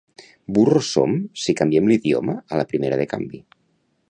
Burros som si canviem l'idioma a la primera de canvi